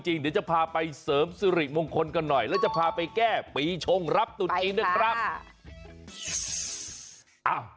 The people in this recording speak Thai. เดี๋ยวจะพาไปเสริมสิริมงคลกันหน่อยแล้วจะพาไปแก้ปีชงรับตุ๋นเองนะครับ